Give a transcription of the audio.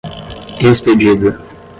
expedida